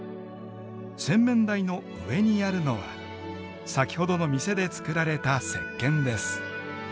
洗面台の上にあるのは先ほどの店で作られたせっけんです。